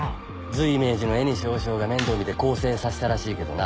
随明寺の江西和尚が面倒見て更生させたらしいけどな。